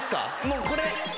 もうこれで。